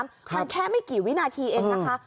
มันแค่ไม่กี่วินาทีเองนะคะ